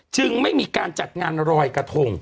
ไม่มีการจัดงานรอยกระทง